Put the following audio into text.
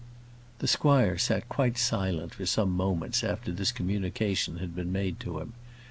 The squire sat quite silent for some moments after this communication had been made to him.